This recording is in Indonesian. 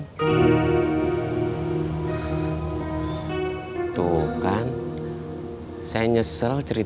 kamu langsung berkata gue